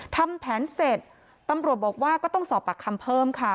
ทำแผนเสร็จตำรวจบอกว่าก็ต้องสอบปากคำเพิ่มค่ะ